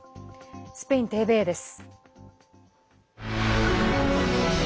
スペインＴＶＥです。